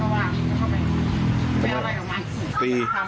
แล้วก็แบบนั้นแล้วก็ว่าแล้วก็แบบนั้น